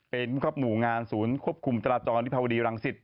เป็นครอบหนูงานศูนย์ควบคุมจราจรนิพวดีรังสิทธิ์